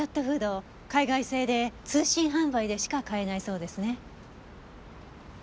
フード海外製で通信販売でしか買えないそうですね。